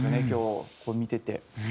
今日これ見てて。